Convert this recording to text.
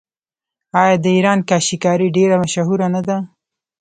آیا د ایران کاشي کاري ډیره مشهوره نه ده؟